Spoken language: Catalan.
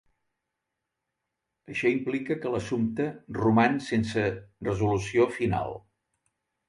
Això implica que l'assumpte roman sense resolució final.